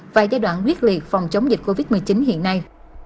và giai đoạn quyết liệt phòng chống dịch covid một mươi chín hiện nay